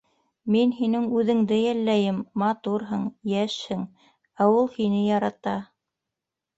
— Мин һинең үҙеңде йәлләйем, матурһың, йәшһең, ә ул һине ярата.